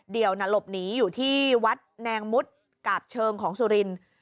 หลบหนีอยู่ที่วัดแนงมุดกาบเชิงของสุรินทร์